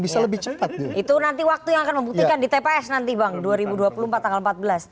bisa lebih cepat itu nanti waktu yang akan membuktikan di tps nanti bang dua ribu dua puluh empat tanggal empat belas